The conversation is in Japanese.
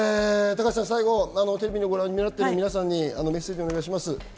高市さん、最後テレビをご覧になってる皆さんにメッセージはい。